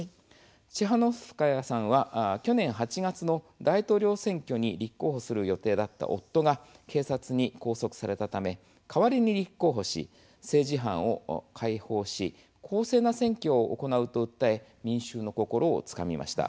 チハノフスカヤさんは去年８月の大統領選挙に立候補する予定だった夫が警察に拘束されたため代わりに立候補し政治犯を解放し公正な選挙を行うと訴え民衆の心をつかみました。